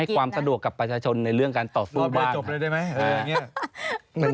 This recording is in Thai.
ให้ความสะดวกกับประชาชนในเรื่องการต่อสู้บ้าง